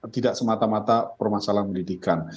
tidak semata mata permasalahan pendidikan